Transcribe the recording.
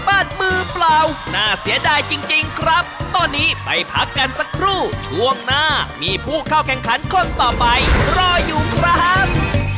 บ้านมือเปล่าน่าเสียดายจริงครับตอนนี้ไปพักกันสักครู่ช่วงหน้ามีผู้เข้าแข่งขันคนต่อไปรออยู่ครับ